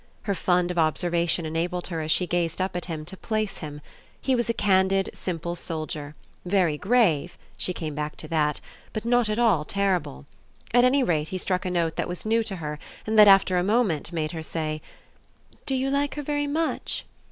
Her fund of observation enabled her as she gazed up at him to place him: he was a candid simple soldier; very grave she came back to that but not at all terrible. At any rate he struck a note that was new to her and that after a moment made her say: "Do you like her very much?"